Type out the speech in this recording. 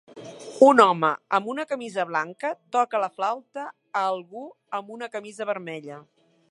Un home amb una camisa blanca toca la flauta a algú amb una camisa vermella.